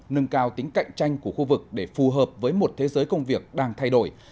nâng cao tính cạnh tranh của khu vực để phù hợp với một thế giới công việc đang thay đổi